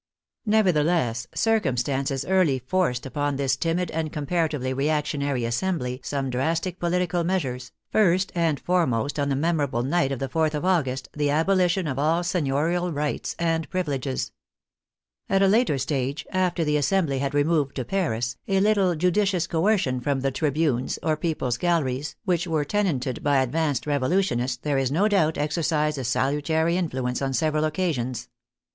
Never theless, circumstances early forced upon this timid and comparatively reactionary Assembly some drastic political measures, first and foremost on the memorable night of the 4th of August, the abolition of all seignorial rights and privileges. At a later stage, after the assembly had re moved to Paris, a little judicious coercion from the trib unes, or people's galleries, which were tenanted by ad vanced revolutionists, there is no doubt, exercised a salu tary influence on several occasions.